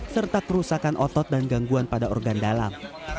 serta kerusakan otot dan gangguan pada organ dalam